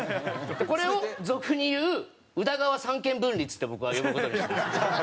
これを俗に言う宇田川三権分立って僕は呼ぶ事にしてます。